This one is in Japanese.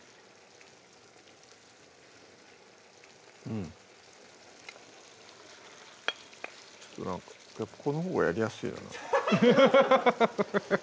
うんちょっとなんかこのほうがやりやすいよな